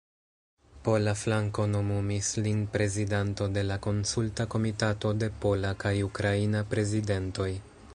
Pola flanko nomumis lin prezidanto de la Konsulta Komitato de Pola kaj Ukraina Prezidentoj.